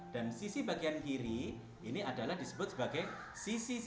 dan sisi bagian kiri ini adalah disebut sebagai sisi sisi